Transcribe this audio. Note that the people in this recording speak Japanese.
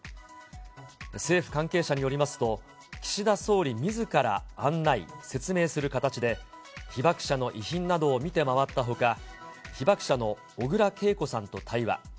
政府関係者によりますと、岸田総理みずから案内、説明する形で、被爆者の遺品などを見て回ったほか、被爆者の小倉桂子さんと対話。